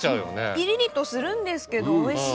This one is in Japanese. ピリリとするんですけどおいしい。